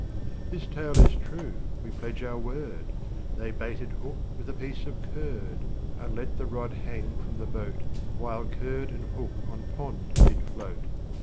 This tale is true we pledge our word, They baited hook with a piece of curd, And let the rod hang from the boat, While curd and hook on pond did float.